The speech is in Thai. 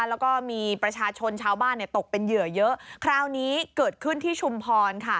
แล้วก็มีประชาชนชาวบ้านเนี่ยตกเป็นเหยื่อเยอะคราวนี้เกิดขึ้นที่ชุมพรค่ะ